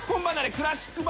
クラシック離れ。